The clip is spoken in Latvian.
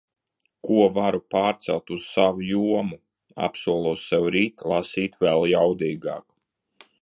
Ko varu pārcelt uz savu jomu... Apsolos sev rīt lasīt vēl jaudīgāk.